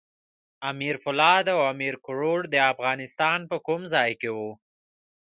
امیر پولاد او امیر کروړ د افغانستان په کوم ځای کې وو؟